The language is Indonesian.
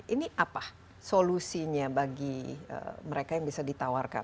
ini apa solusinya bagi mereka yang bisa ditawarkan